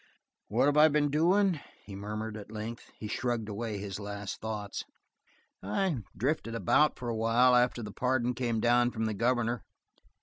"What have I been doing?" he murmured at length. He shrugged away his last thoughts. "I drifted about for a while after the pardon came down from the governor.